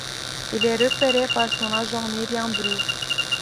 Il est repéré par son agent Myriam Bru.